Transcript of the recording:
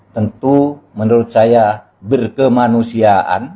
tentu menurut saya berkemanusiaan